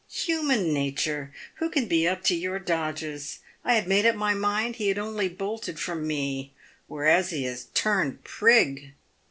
human natur ! who can be up to your dodges ? I had made up my mind he had only bolted from me, whereas he has turned prig."